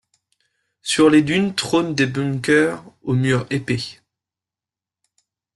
Sur les dunes trônent des bunkers aux murs épais.